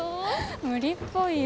無理っぽいよ。